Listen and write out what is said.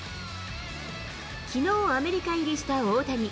きのう、アメリカ入りした大谷。